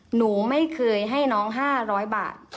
หนูไม่เคยให้น้อง๕๐๐บาท